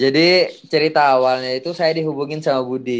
jadi cerita awalnya itu saya dihubungin sama budi